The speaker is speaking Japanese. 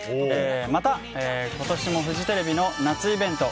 また、今年もフジテレビの夏イベント